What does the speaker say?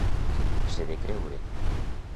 Ser de creure.